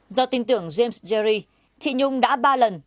do tin tưởng james jerry chị nhung đã ba lần